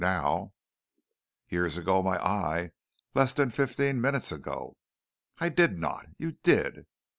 Now " "Years ago, my eye. Less than fifteen minutes ago " "I did not." "You did."